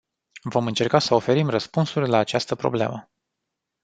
Vom încerca să oferim răspunsuri la această problemă.